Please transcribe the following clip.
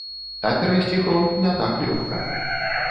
А перайсці фронт не так лёгка.